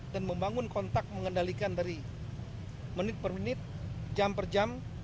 dan membangun kontak mengendalikan dari menit per menit jam per jam